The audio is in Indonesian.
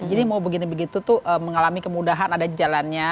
mau begini begitu tuh mengalami kemudahan ada jalannya